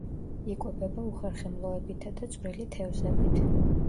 იკვებება უხერხემლოებითა და წვრილი თევზებით.